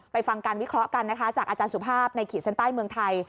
ฟังการวิเคราะห์กันนะคะจากอาจารย์สุภาพในขีดเส้นใต้เมืองไทย